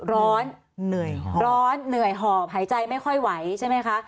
ร้อนเหนื่อยหอบหายใจไม่ค่อยไหวใช่ไหมคะ